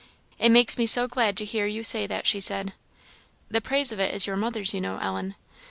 "It makes me so glad to hear you say that!" she said. "The praise of it is your mother's, you know, Ellen."